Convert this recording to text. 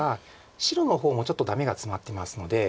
白の方もちょっとダメがツマってますので。